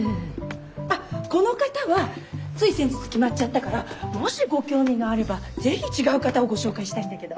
あっこの方はつい先日決まっちゃったからもしご興味があればぜひ違う方をご紹介したいんだけど。